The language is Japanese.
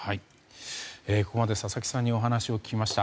ここまで佐々木さんにお話を聞きました。